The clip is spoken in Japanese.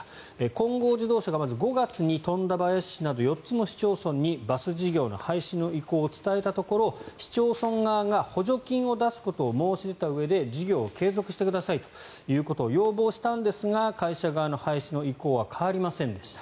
金剛自動車がまず５月に富田林市など４つの市町村にバス事業の廃止の意向を伝えたところ市町村側が補助金を出すことを申し出たうえで事業を継続してくださいということを要望したんですが会社側の廃止の意向は変わりませんでした。